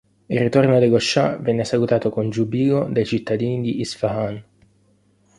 Il ritorno dello scià venne salutato con giubilo dai cittadini di Isfahan.